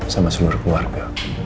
sama seluruh keluarga